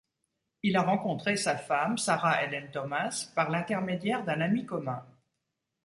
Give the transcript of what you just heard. Il a rencontré sa femme, Sara Elen Thomas, par l'intermédiaire d'un ami commun.